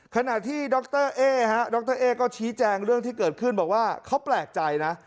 ขณะที่ดรเอ๊ฮะดรเอ๊ก็ชี้แจงเรื่องที่เกิดขึ้นบอกว่าเขาแปลกใจนะ